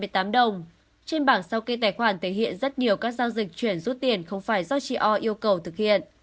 trên bảng sau kê tài khoản thể hiện rất nhiều các giao dịch chuyển rút tiền không phải do chị o yêu cầu thực hiện